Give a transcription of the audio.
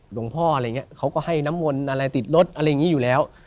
หลวงพ่ออะไรอย่างนี้เขาก็ให้น้ำมนต์อะไรติดรถอะไรอย่างนี้อยู่แล้ว